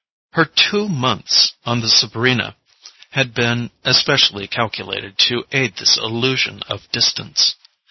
Her two months on the Sabrina had been especially calculated to aid this illusion of distance.